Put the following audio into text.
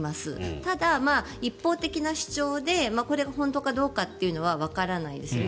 ただ、一方的な主張でこれが本当かどうかというのはわからないですよね。